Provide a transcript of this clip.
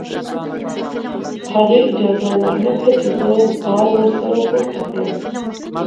هغې اجازه ورنکړه چې زه بار ورسره پورته کړم.